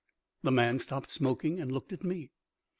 The man stopped smoking and looked at me.